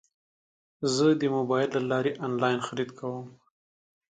زه د موبایل له لارې انلاین خرید کوم.